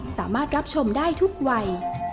สามารถรับชมได้ทุกวัย